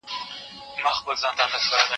زه به اوږده موده نان خوړلی وم!.